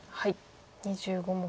２５目。